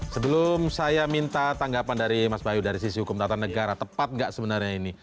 sebelum saya minta tanggapan dari mas bayu dari sisi hukum tata negara tepat nggak sebenarnya ini